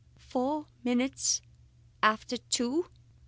"Four minutes after two!"